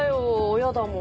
親だもん。